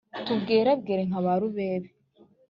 Tubwerabwere nka barubebe